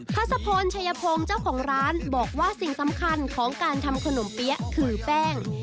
พระสะพลชัยพงศ์เจ้าของร้านบอกว่าสิ่งสำคัญของการทำขนมเปี๊ยะคือแป้ง